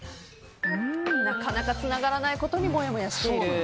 なかなかつながらないことにもやもやしている。